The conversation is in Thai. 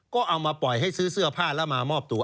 ก็เอามาปล่อยให้ซื้อเสื้อผ้าแล้วมามอบตัว